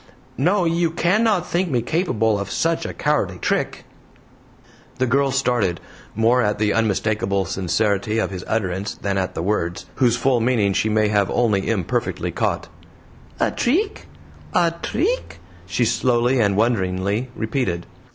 no! You cannot think me capable of such a cowardly trick?" The girl started, more at the unmistakable sincerity of his utterance than at the words, whose full meaning she may have only imperfectly caught. "A treek? A treek?" she slowly and wonderingly repeated.